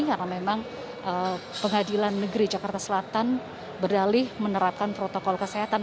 karena memang pengadilan negeri jakarta selatan berdalih menerapkan protokol kesehatan